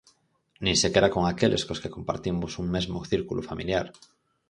Nin sequera con aqueles cos que compartimos un mesmo círculo familiar.